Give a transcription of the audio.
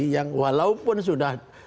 yang walaupun sudah